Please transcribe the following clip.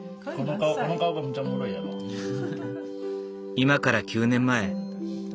今から９年前当